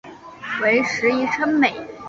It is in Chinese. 为时议称美。